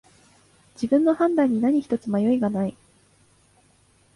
自分の判断に何ひとつ迷いがない